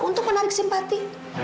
untuk menarik simpati